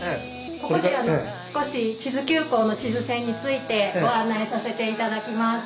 ここで少し智頭急行の智頭線についてご案内させて頂きます。